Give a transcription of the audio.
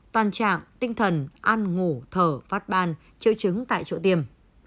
toàn trạng tinh thần ăn ngủ thở phát ban triệu chứng tại chỗ tiêm